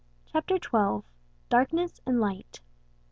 CHAPTER XII. DARKNESS AND LIGHT.